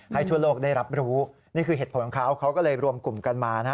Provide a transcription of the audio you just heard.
ทั่วโลกได้รับรู้นี่คือเหตุผลของเขาเขาก็เลยรวมกลุ่มกันมานะ